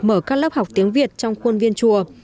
mở các lớp học tiếng việt trong khuôn viên chùa